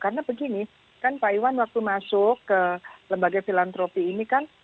karena begini pak iwan waktu masuk ke lembaga filantropi ini kan